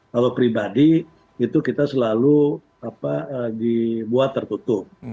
kalau pribadi itu kita selalu dibuat tertutup